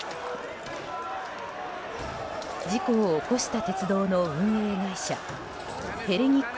事故を起こした鉄道の運営会社ヘレニック